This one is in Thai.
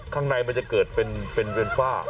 ข้างในมันจะเกิดเป็นเวรฟ้า